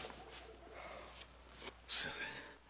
すみません